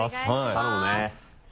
頼むね。